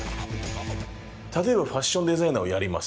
例えばファッションデザイナーをやります